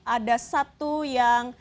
ada satu yang